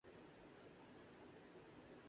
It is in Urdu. وہ غصہ جو ہمارے مزاج کا مستقل حصہ بن جائے